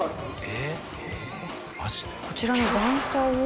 えっ？